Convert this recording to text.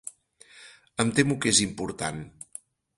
Em temo que és important.